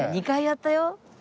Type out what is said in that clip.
２回やったよ。